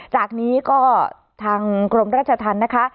จากนี้ก็ทางกรมราชธรรมนะคะ